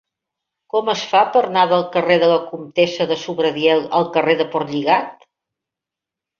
Com es fa per anar del carrer de la Comtessa de Sobradiel al carrer de Portlligat?